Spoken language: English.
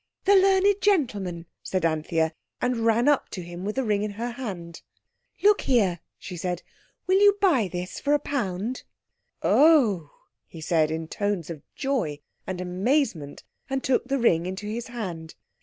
"The learned gentleman!" said Anthea, and ran up to him with the ring in her hand. "Look here," she said, "will you buy this for a pound?" "Oh!" he said in tones of joy and amazement, and took the ring into his hand.